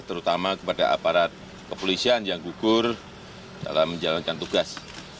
terutama kepada aparat kepolisian yang gugur dalam menjalankan tugas